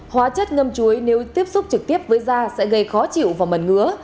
hóa chất ngâm chuối nếu tiếp xúc trực tiếp với da sẽ gây khó chịu và mẩn ngứa